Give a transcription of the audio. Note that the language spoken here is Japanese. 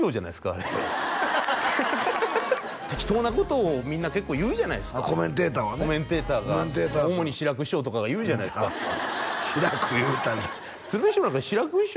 あれハハハハハハハハ適当なことをみんな結構言うじゃないですかコメンテーターはねコメンテーターが主に志らく師匠とかが言うじゃないですか志らく言うたな鶴瓶師匠なんか志らく師匠